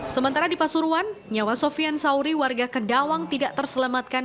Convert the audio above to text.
sementara di pasuruan nyawa sofian sauri warga kedawang tidak terselamatkan